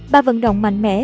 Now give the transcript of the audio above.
bà vận động mạnh mẽ